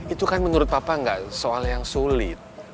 itu kan menurut papa nggak soal yang sulit